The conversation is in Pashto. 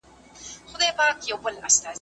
زه به د کتابتوننۍ سره مرسته کړې وي؟!